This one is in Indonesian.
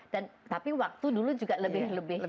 dan tapi waktu dulu juga lebih